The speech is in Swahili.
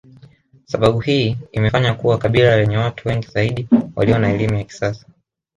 Sababu hii imefanya kuwa kabila lenye watu wengi zaidi walio na elimu ya kisasa